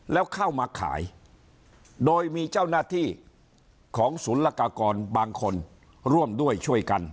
แล้วเข้ามาขายโดยมีเจ้าหน้าที่ของศูนย์ละกากรบางคนร่วมด้วยช่วยกัน